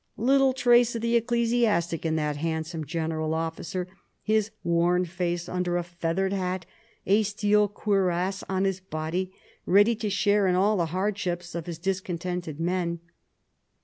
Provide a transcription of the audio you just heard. Little trace of the ecclesiastic in that handsome general ofificer, his worn face under a feathered hat, a steel cuirass on his body, ready to share in all the hardships of his discontented men.